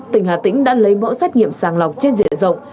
tỉnh hà tĩnh đã lấy mẫu xét nghiệm sàng lọc trên diện rộng